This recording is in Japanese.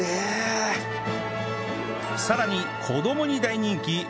さらに子どもに大人気！